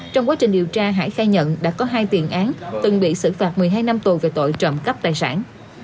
trong quá trình điều tra hải khai nhận đã có hai tiền án từng bị xử phạt một mươi hai năm tù về tội trộm cắp tài sản